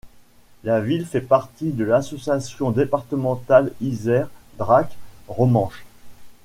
La ville fait partie de l'Association départementale Isère Drac Romanche.